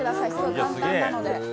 簡単なのに。